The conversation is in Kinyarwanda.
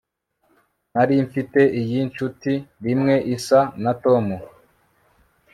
nari mfite iyi nshuti rimwe isa na tom